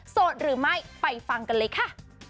หรือไม่ไปฟังกันเลยค่ะ